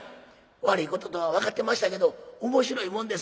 悪いこととは分かってましたけど面白いもんです